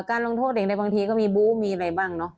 การลงโทษเด็กในบางทีก็มีบู้มีอะไรบ้างเนอะ